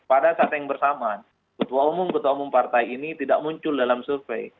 pada saat yang bersamaan ketua umum ketua umum partai ini tidak muncul dalam survei